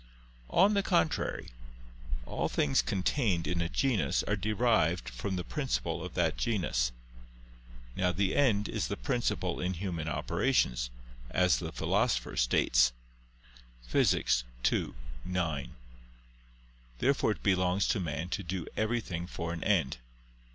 On the contrary, All things contained in a genus are derived from the principle of that genus. Now the end is the principle in human operations, as the Philosopher states (Phys. ii, 9). Therefore it belongs to man to do everything for an end.